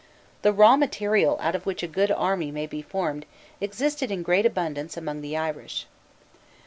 The raw material out of which a good army may be formed existed in great abundance among the Irish.